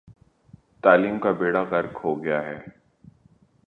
تعلیم کا بیڑہ غرق ہو گیا ہے۔